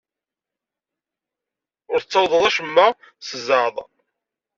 Ur d-tettawyeḍ acemma s zzeɛḍ.